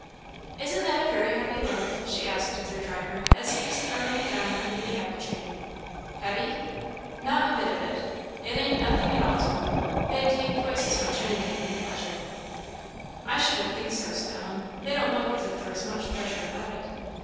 "Isn't that a very heavy load?" she asked of their driver, as he was throwing it down under the apple tree. "Heavy? Not a bit of it. It ain't nothing at all to 'em. They'd take twice as much any day with pleasure." "I shouldn't think so," said Ellen; "they don't look as if there was much pleasure about it.